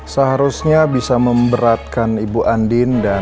seharusnya bisa memberatkan ibu andin